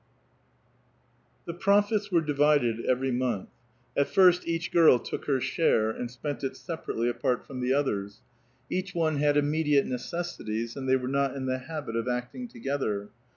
The profits were divided every month ; at first each girl took her share and spent it separately apart from the others ; A VITAL QUESTION. 179 Osich one had immediate necessities, and they were not in the bsibit of acting together.